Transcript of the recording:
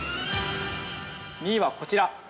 ◆２位は、こちら。